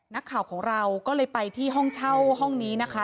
นักข่าวของเราก็เลยไปที่ห้องเช่าห้องนี้นะคะ